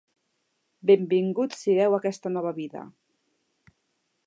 Benvinguts sigueu a aquesta nova vida!